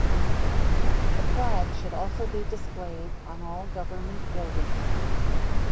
The flag should also be displayed on all government buildings.